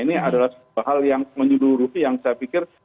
ini adalah sebuah hal yang menyeluruhi yang saya pikir